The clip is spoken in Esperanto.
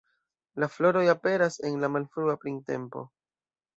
La floroj aperas en la malfrua printempo.